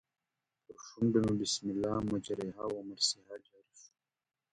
پر شونډو مې بسم الله مجریها و مرسیها جاري شو.